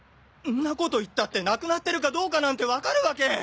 んなこといったって亡くなってるかどうかなんて分かるわけ。